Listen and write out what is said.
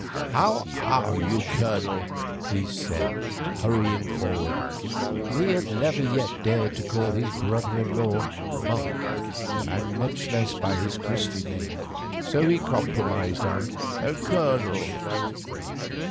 "How are you, Colonel?" he said, hurrying forward. He had never yet dared to call his brother in law "Monk," and much less by his Christian name, so he compromised on "Colonel."